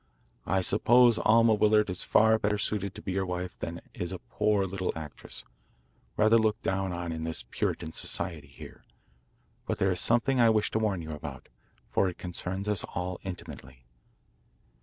I suppose Alma Willard is far better suited to be your wife than is a poor little actress rather looked down on in this Puritan society here. But there is something I wish to warn you about, for it concerns us all intimately.